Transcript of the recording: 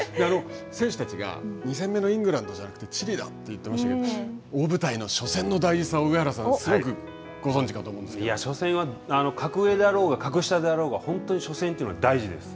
選手たちが２戦目のイングランドじゃなくてチリだと言ってましたけど、大舞台の初戦の大事さ、上初戦は格上であろうが格下であろうが、本当に初戦というのは大事です。